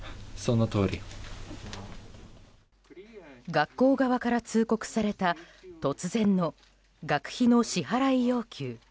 学校側から通告された突然の学費の支払い要求。